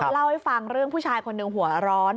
เล่าให้ฟังเรื่องผู้ชายคนหนึ่งหัวร้อน